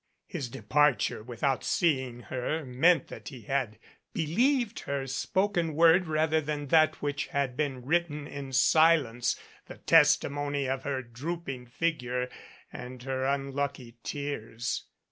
His departure without seeing her meant that he had believed her spoken word rather than that which had been written in silence, the testimony of her drooping fig ure and her unlucky tears.